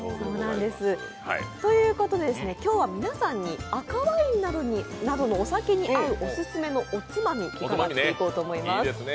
ということで今日は皆さんに赤ワインなどのお酒に合うオススメのおつまみを伺っていこうと思います。